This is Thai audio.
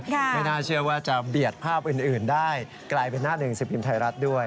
ไม่น่าเชื่อว่าจะเบียดภาพอื่นได้กลายเป็นหน้าหนึ่งสิบพิมพ์ไทยรัฐด้วย